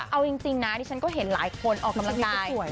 เอาจริงนะดิฉันก็เห็นหลายคนออกกำลังกายสวย